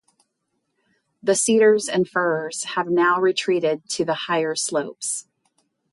The cedars and firs have now retreated to the higher slopes.